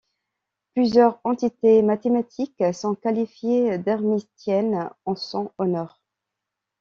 Plusieurs entités mathématiques sont qualifiées d'hermitiennes en son honneur.